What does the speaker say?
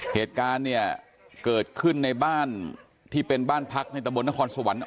เหตุการณ์เนี่ยเกิดขึ้นในบ้านที่เป็นบ้านพักวิทยาลัยชแต่มตระบวนนครสวรรค์